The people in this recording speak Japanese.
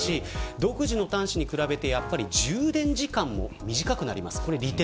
独自の端子に比べて充電時間も短くなります。